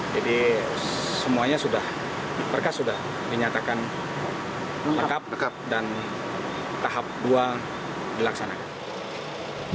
jadi semuanya sudah berkas sudah dinyatakan lengkap dan tahap dua dilaksanakan